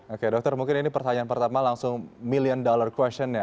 oke dokter mungkin ini pertanyaan pertama langsung million dollar question ya